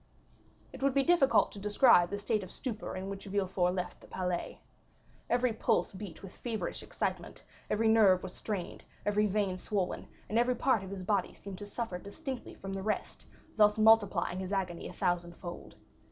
It would be difficult to describe the state of stupor in which Villefort left the Palais. Every pulse beat with feverish excitement, every nerve was strained, every vein swollen, and every part of his body seemed to suffer distinctly from the rest, thus multiplying his agony a thousand fold.